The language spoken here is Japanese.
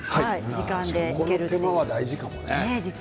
この手間がは大事かもね。